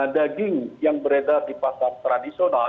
daging yang beredar di pasar tradisional